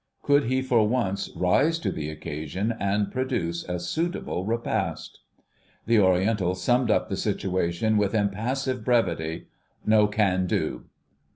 Could he for once rise to the occasion and produce a suitable repast? The Oriental summed up the situation with impassive brevity— "No can do."